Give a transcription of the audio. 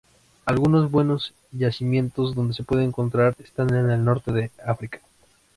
Algunos buenos yacimientos donde se puede encontrar están en el norte de África.